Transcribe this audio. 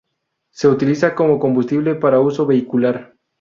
Se utiliza como combustible para uso vehicular.